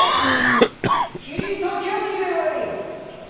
斬りたきゃ斬ればいい。